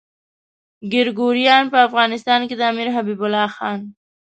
ګریګوریان په افغانستان کې د امیر حبیب الله خان.